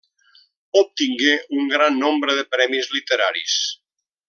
Obtingué un gran nombre de premis literaris.